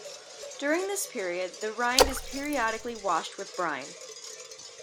During this period, the rind is periodically washed with brine.